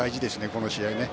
この試合。